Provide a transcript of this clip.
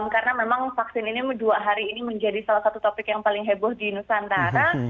karena memang vaksin ini dua hari ini menjadi salah satu topik yang paling heboh di nusantara